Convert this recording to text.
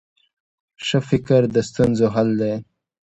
ښه فکر د ستونزو حل دی.